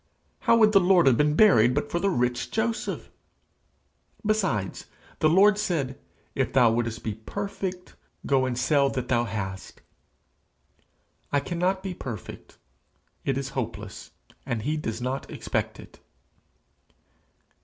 How would the Lord have been buried but for the rich Joseph? Besides, the Lord said, "If thou wouldst be perfect, go, sell that thou hast." I cannot be perfect; it is hopeless; and he does not expect it.'